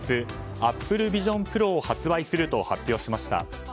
ＡｐｐｌｅＶｉｓｉｏｎＰｒｏを発売すると発表しました。